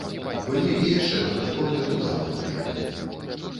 Былі і яшчэ, на наш погляд, удалыя праекты.